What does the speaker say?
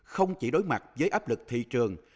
không chỉ đối mặt với áp lực thị trường